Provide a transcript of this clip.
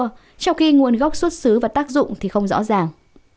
trong khi nguồn gốc xuất xứ và tác dụng thì không rõ ràng